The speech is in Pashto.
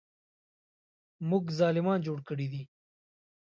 موږ ظالمان جوړ کړي دي.